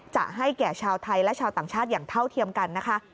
จะให้แก่ชาวไทยและชาวต่างชาติอย่างเท่าเทียมกันนะคะ